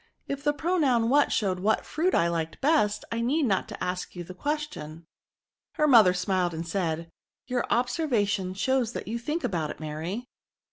if the pronoun what showed what fruit I liked best, I need not ask you the question. Her mother smiled and said, " Your ob servation shows that you think about it, Mary.